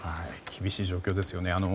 厳しい状況ですね。